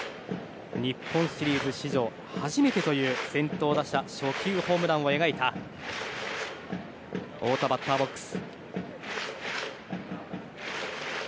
日本シリーズ史上初めてという先頭打者初球ホームランを描いた太田がバッターボックス。